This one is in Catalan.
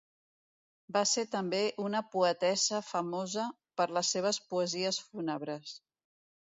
Va ser també una poetessa famosa per les seves poesies fúnebres.